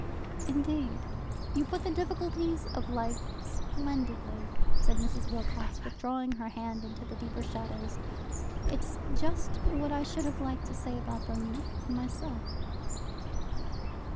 "Indeed, you put the difficulties of life splendidly," said Mrs. Wilcox, withdrawing her hand into the deeper shadows. "It is just what I should have liked to say about them myself."